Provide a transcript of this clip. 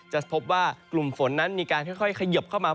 จะพบว่ากลุ่มฝนนั้นมีการค่อยเขยิบเข้ามา